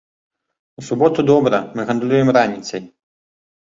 У суботу добра мы гандлюем раніцай.